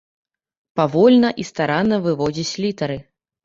Павольна і старанна выводзіць літары.